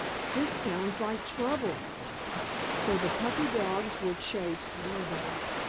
"This sounds like trouble. So the puppy dogs were chased, were they?